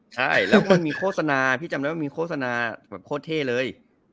ใช่แล้วมันมีโฆษณาพี่จำได้ว่ามีโฆษณาแบบโคตรเท่เลย